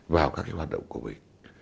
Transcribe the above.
vào các cái hoạt động covid